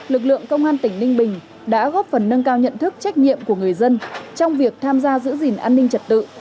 lực lượng công an tỉnh ninh bình đã góp phần nâng cao nhận thức trách nhiệm của người dân trong việc tham gia giữ gìn an ninh trật tự